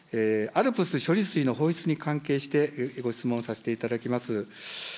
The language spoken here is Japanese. ＡＬＰＳ処理水の放出に関係して、ご質問させていただきます。